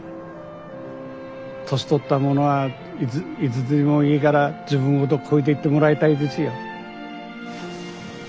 年取った者はいつでもいいから自分のこと超えていってもらいたいですよ。